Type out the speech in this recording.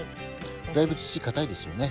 だいぶ土かたいですよね？